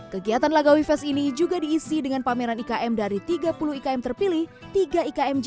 kegiatan lagawi fes ini juga diisi dengan pameran ikm dari tiga puluh ikm terpilih tiga ikm g